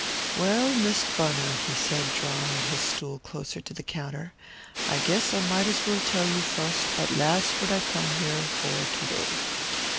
"Well, Miss Bunner," he said, drawing his stool closer to the counter, "I guess I might as well tell you fust as last what I come here for to day.